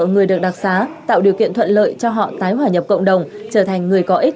người được đặc xá tạo điều kiện thuận lợi cho họ tái hòa nhập cộng đồng trở thành người có ích